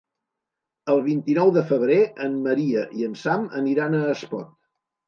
El vint-i-nou de febrer en Maria i en Sam aniran a Espot.